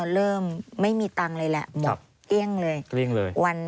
เริ่มไม่มีตังค์เลยแหละหมดเกลี้ยงเลย